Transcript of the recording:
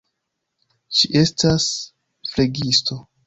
Ŝi estas flegisto.